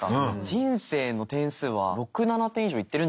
人生の点数は６７点以上いってるんじゃないかなと。